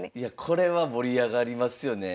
これは盛り上がりますよね。